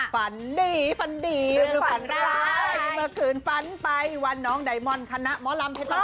ฝันดีฝันดีคือฝันร้ายเมื่อคืนฝันไปวันน้องไดมอนคณะหมอลำเพลิน